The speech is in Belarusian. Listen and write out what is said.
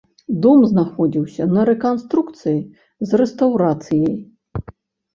Дом знаходзіўся на рэканструкцыі з рэстаўрацыяй.